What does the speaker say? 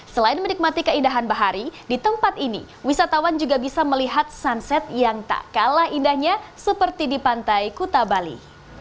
selain menikmati keindahan bahari di tempat ini wisatawan juga bisa melihat sunset yang tak kalah indahnya seperti di pantai kuta bali